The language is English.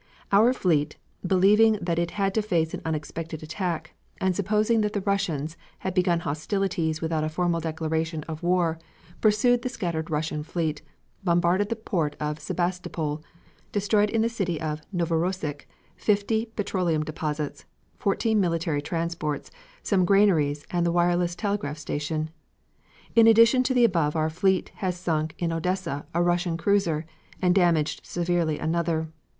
Our fleet, believing that it had to face an unexpected attack, and supposing that the Russians had begun hostilities without a formal declaration of war, pursued the scattered Russian fleet, bombarded the port of Sebastopol, destroyed in the city of Novorossisk fifty petroleum depots, fourteen military transports, some granaries, and the wireless telegraph station. In addition to the above our fleet has sunk in Odessa a Russian cruiser, and damaged severely another.